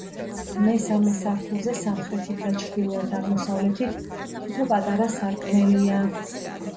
მესამე სართულზე, სამხრეთით და ჩრდილო-აღმოსავლეთით თითო პატარა სარკმელია.